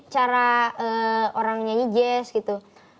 cara orang nyanyi jazz gitu